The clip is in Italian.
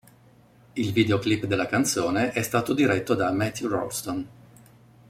Il videoclip della canzone è stato diretto da Matthew Rolston.